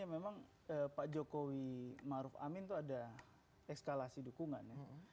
memang pak jokowi maruf amin itu ada ekskalasi dukungan